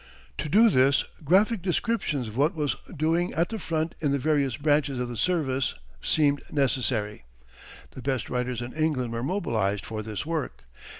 To do this graphic descriptions of what was doing at the front in the various branches of the service seemed necessary. The best writers in England were mobilized for this work.